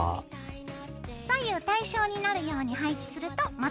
左右対称になるように配置するとまとまりやすいよ。